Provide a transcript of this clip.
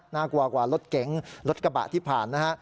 น่ากลัวกว่ารถเก๋งรถกระบะที่ผ่านนะฮะ